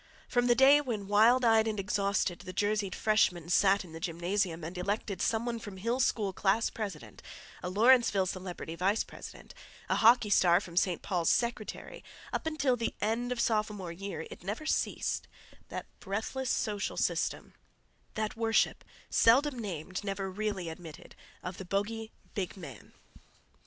From the day when, wild eyed and exhausted, the jerseyed freshmen sat in the gymnasium and elected some one from Hill School class president, a Lawrenceville celebrity vice president, a hockey star from St. Paul's secretary, up until the end of sophomore year it never ceased, that breathless social system, that worship, seldom named, never really admitted, of the bogey "Big Man."